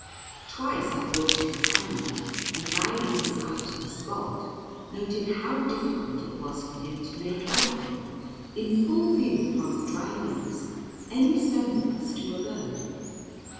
Twice I brought a companion, and, guiding his eye to the spot, noted how difficult it was for him to make out there, in full view upon the dry leaves, any semblance to a bird.